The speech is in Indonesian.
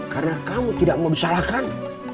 karena kamu tidak mau disalahkan